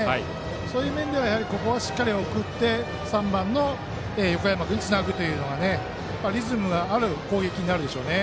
そういう面ではここはしっかり送って３番の横山君につなぐとリズムのある攻撃になるでしょうね。